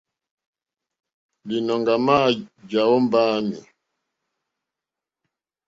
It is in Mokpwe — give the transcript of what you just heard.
Līnɔ̄ŋgɛ̄ à mà jàá ó mbáāmì.